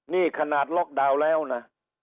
นี่ขนาดล็อกดาวน์แล้วนะ